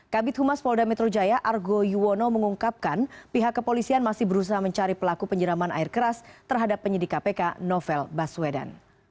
kabit humas polda metro jaya argo yuwono mengungkapkan pihak kepolisian masih berusaha mencari pelaku penyeraman air keras terhadap penyidik kpk novel baswedan